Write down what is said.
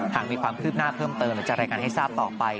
หากมีความคืบหน้าเพิ่มเติมหรือจะรายงานให้ทราบต่อไป